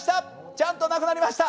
ちゃんとなくなりました。